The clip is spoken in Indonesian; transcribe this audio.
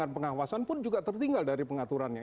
pengawasan pun juga tertinggal dari pengaturannya